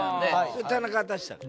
それ田中が出したの？